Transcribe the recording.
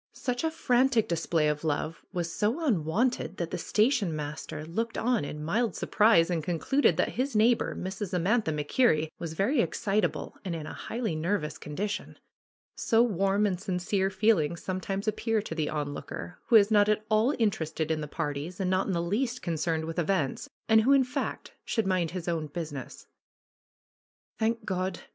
Such a frantic display of love was so unwonted that the station master looked on in mild surprise and concluded that his neighbor, Mrs. Amantha MacKerrie, was very excitable and in a highly nervous condition. So warm and sincere feelings some times appear to the onlooker, who is not at all inter ested in the parties and not in the least concerned with events, and who, in fact, should mind his own business. ^^Thank God